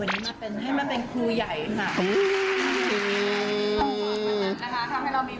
วันนี้เกี่ยวกับกองถ่ายเราจะมาอยู่กับว่าเขาเรียกว่าอะไรอ่ะนางแบบเหรอ